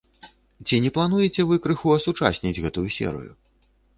Ці не плануеце вы крыху асучасніць гэтую серыю?